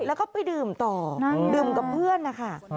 แล้วก็ไปดื่มต่อดื่มกับเพื่อนนะคะ